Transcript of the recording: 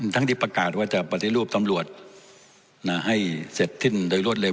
ทั้งที่ประกาศว่าจะปฏิรูปตำลวดน่าให้เสร็จทิ้นโดยรวดเลย